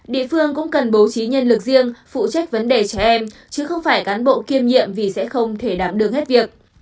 địa phương cũng cần bố trí nhân lực riêng phụ trách vấn đề trẻ em chứ không phải cán bộ kiêm nhiệm vì sẽ không thể đảm đường hết việc